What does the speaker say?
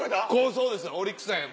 そうですよオリックスさん。